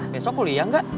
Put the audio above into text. besok kuliah gak